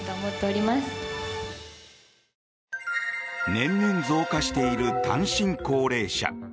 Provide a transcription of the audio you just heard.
年々増加している単身高齢者。